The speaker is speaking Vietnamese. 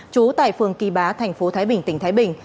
trú tại phường kỳ bá thành phố thái bình tỉnh thái bình